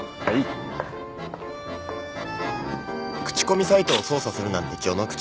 口コミサイトを操作するなんて序の口。